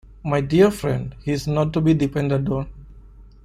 My dear friend, he is not to be depended on.